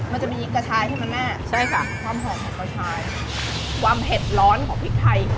มันจะมีกระชายใช่ไหมแม่ใช่ค่ะความหอมของกระชายความเผ็ดร้อนของพริกไทย